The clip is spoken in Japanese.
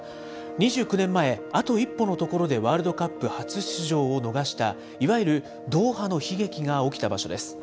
２９年前、あと一歩のところでワールドカップ初出場を逃した、いわゆるドーハの悲劇が起きた場所です。